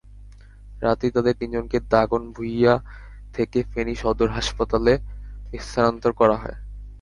রাতেই তাঁদের তিনজনকে দাগনভূঞা থেকে ফেনী সদর হাসপাতালে স্থানান্তর করা হয়।